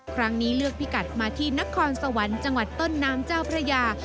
ครั้งนี้เลือกพิกัดมาที่นครสวรรค์จังหวัดต้นน้ำเจ้าพระยา